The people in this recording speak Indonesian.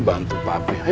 bapaknya gak mau nyanyi